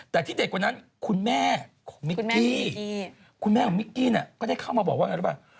แต่ที่เด็ดกว่านั้นคุณแม่ของมิกกี้คุณแม่ของมิกกี้ก็ได้เข้ามาบอกว่าไงรู้ป่ะ